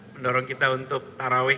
mendorong kita untuk taraweh